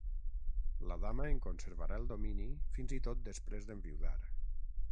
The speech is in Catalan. La dama en conservarà el domini fins i tot després d'enviudar.